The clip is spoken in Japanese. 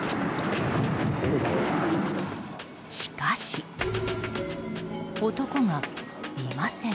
しかし、男がいません。